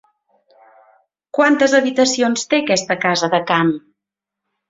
Quantes habitacions té aquesta casa de camp?